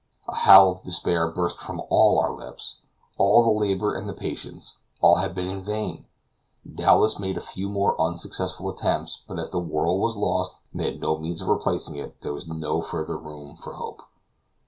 A howl of despair burst from all our lips. All the labor and the patience, all had been in vain. Dowlas made a few more unsuccessful attempts, but as the whirl was lost, and they had no means of replacing it, there was no further room for hope.